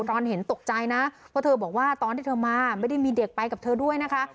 ตอนเห็นตกใจนะเพราะเธอบอกว่าตอนที่เธอมาไม่ได้มีเด็กไปกับเธอด้วยนะคะ